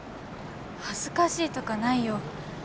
恥ずかしいとかないよ。